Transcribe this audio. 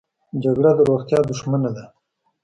جګړه د روغتیا دښمنه ده